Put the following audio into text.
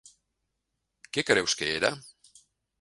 Què creus que era?